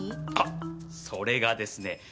あそれがですね